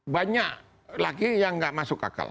banyak lagi yang nggak masuk akal